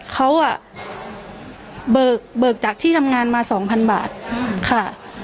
เขาอะเบิกจากที่ทำงานมาสองพันบาทค่ะ